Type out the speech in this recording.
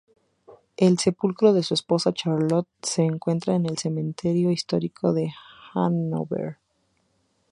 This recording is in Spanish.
El sepulcro de su esposa Charlotte se encuentra en el Cementerio histórico de Hanover.